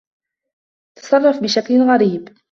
تصرّف بشكل غريب.